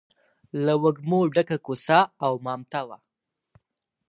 له وږمو ډکه کوڅه او مامته وه.